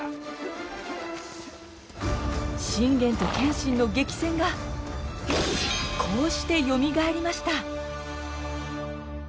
信玄と謙信の激戦がこうしてよみがえりました。